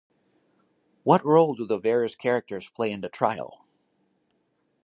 What role do the various characters play in the trial?